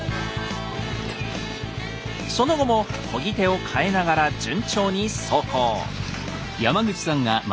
その後もこぎ手を代えながら順調に走行。